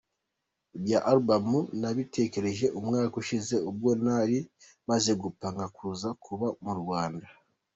"Ibya Album nabitekereje umwaka ushize ubwo nari maze gupanga kuza kuba mu Rwanda.